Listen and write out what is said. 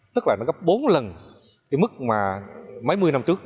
tức là nó gấp bốn lần mức mấy mươi năm trước